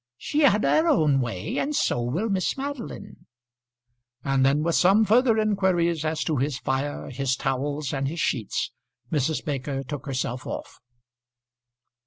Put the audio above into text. She had her own way, and so will Miss Madeline." And then with some further inquiries as to his fire, his towels, and his sheets, Mrs. Baker took herself off.